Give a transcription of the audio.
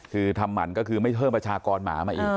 คือทำหมั่นก็คือไม่เพิ่มประชากรหมามาอีก